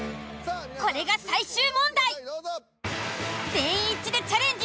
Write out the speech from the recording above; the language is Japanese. これが最終問題！